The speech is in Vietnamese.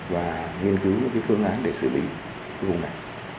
và nghiên cứu những cái phương án để xử bình cái vùng này